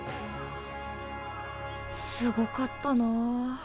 すごかったなあ。